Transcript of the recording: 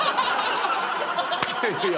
いや。